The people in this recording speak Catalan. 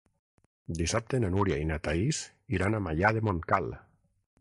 Dissabte na Núria i na Thaís iran a Maià de Montcal.